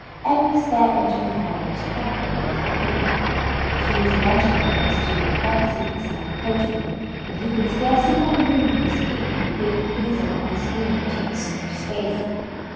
Every spare inch of the carriage was packed with things for the picnic. A huge lunch hamper stood on the front seat beside the coachman, and he could scarcely find room for his feet for the big freezer of ice cream that took up so much space.